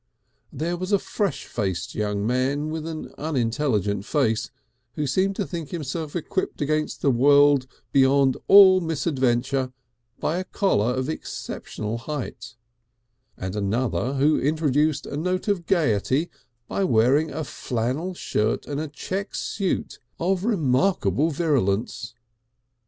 There was a fresh faced young man with an unintelligent face who seemed to think himself equipped against the world beyond all misadventure by a collar of exceptional height, and another who introduced a note of gaiety by wearing a flannel shirt and a check suit of remarkable virulence.